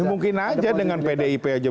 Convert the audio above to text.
ya mungkin aja dengan pdip aja mungkin